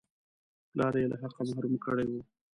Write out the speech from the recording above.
پلار یې له حقه محروم کړی وو.